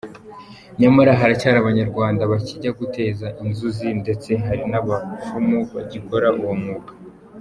Nyamara haracyari abanyarwanda bakijya guteza inzuzi ndetse hari n’abapfumu bagikora uwo mwuga.